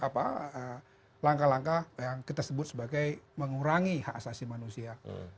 apa langkah langkah yang kita sebut sebagai mengurangi hak asasi manusia